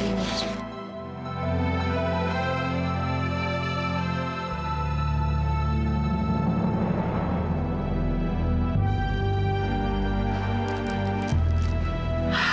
ehang kamu bisa datang ke rumah